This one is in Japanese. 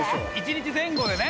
１日前後でね。